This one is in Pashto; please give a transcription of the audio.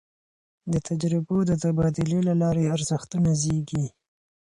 د تجربو د تبادلې له لاري ارزښتونه زېږي.